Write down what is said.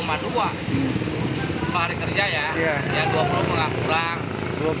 pada hari kerja ya rp dua puluh kurang